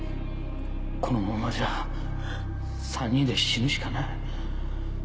このままじゃ３人で死ぬしかない。